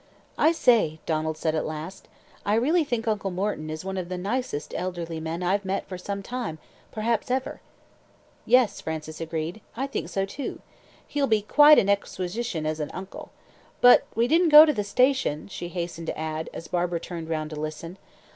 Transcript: "I say," Donald said at last, "I really think Uncle Morton is one of the nicest elderly men I've met for some time, perhaps ever." "Yes," Frances agreed; "I think so too. He'll be quite an exquisition as an uncle. But we didn't go to the station," she hastened to add, as Barbara turned round to listen.